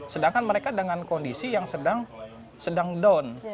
sedangkan mereka dengan kondisi yang sedang down